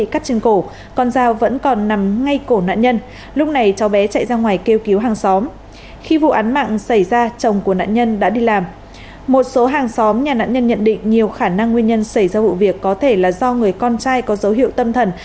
một số hàng xóm nhà nạn nhân nhận định nhiều khả năng nguyên nhân xảy ra vụ việc có thể là do người con trai có dấu hiệu tâm thần